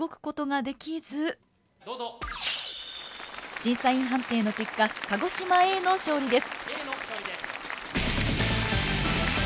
審査員判定の結果鹿児島Ａの勝利です。